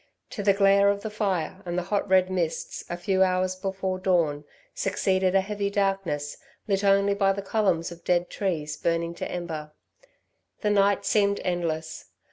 To the glare of the fire and the hot red mists, a few hours before dawn, succeeded a heavy darkness, lit only by the columns of dead trees burning to ember. The night seemed endless.